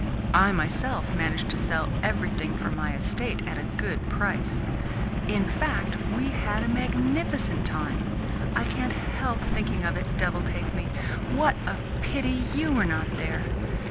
I myself managed to sell everything from my estate at a good price. In fact, we had a magnificent time. I can't help thinking of it, devil take me! But what a pity YOU were not there!